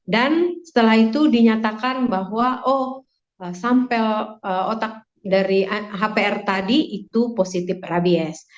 setelah itu dinyatakan bahwa oh sampel otak dari hpr tadi itu positif rabies